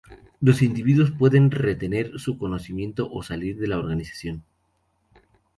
Los individuos pueden retener su conocimiento o salir de la organización.